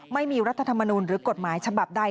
ไม่มีรัฐธรรมนูลหรือกฎหมายฉบับใด